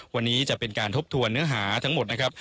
วันนี้จะเป็นการทบทวนเนื้อหาทั้งหมดนะครับ